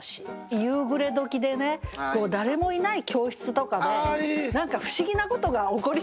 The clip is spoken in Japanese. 夕暮れ時でね誰もいない教室とかで何か不思議なことが起こりそうな気がしますよね。